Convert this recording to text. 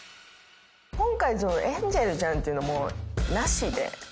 今回エンジェルちゃんっていうのもなしで。